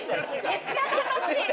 めっちゃ楽しい！